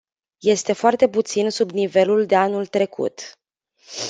Este foarte puțin sub nivelul de anul trecut.